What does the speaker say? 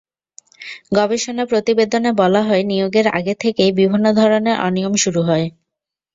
গবেষণা প্রতিবেদনে বলা হয়, নিয়োগের আগে থেকেই বিভিন্ন ধরনের অনিয়ম শুরু হয়।